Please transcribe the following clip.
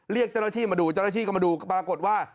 เรียกเจ้าหน้าที่มาดูเจ้าหน้าที่ก็มาดูปรากฏว่า